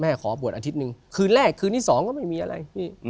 ขอบวชอาทิตย์หนึ่งคืนแรกคืนที่สองก็ไม่มีอะไร